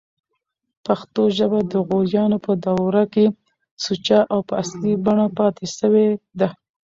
پښتو ژبه دغوریانو په دوره کښي سوچه او په اصلي بڼه پاته سوې ده.